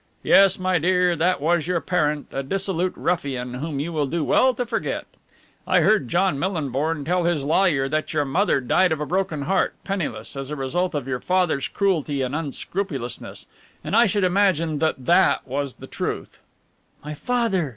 Yes, my dear, that was your parent, a dissolute ruffian whom you will do well to forget. I heard John Millinborn tell his lawyer that your mother died of a broken heart, penniless, as a result of your father's cruelty and unscrupulousness, and I should imagine that that was the truth." "My father!"